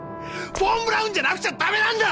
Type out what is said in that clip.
フォン・ブラウンじゃなくちゃダメなんだ！